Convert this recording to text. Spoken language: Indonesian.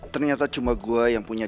ternyata cuma gua yang punya